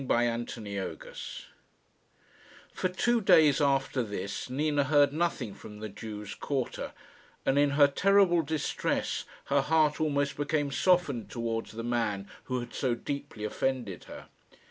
CHAPTER XIII For two days after this Nina heard nothing from the Jews' quarter, and in her terrible distress her heart almost became softened towards the man who had so deeply offended her.